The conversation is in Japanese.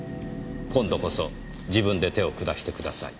今度こそ自分で手を下してください」